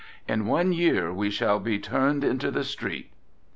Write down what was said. In one year we shall be turned into the street.